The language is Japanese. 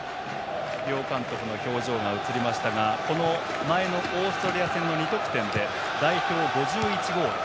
両監督の表情が映っていましたがこの前のオーストラリア戦の２得点で代表５１ゴール。